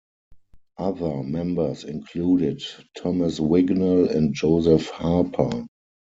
Other members included Thomas Wignell and Joseph Harper.